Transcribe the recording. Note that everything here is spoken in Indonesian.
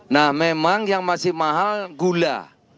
nah memang yang masih mahal gula